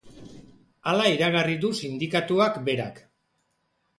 Hala iragarri du sindikatuak berak.